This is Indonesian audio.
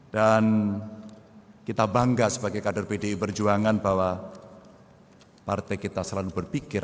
dan kita bangga sebagai kader pdi perjuangan bahwa partai kita selalu berpikir